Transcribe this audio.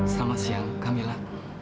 selamat siang kamila